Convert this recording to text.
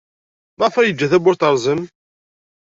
Maɣef ay yeǧǧa tawwurt terẓem?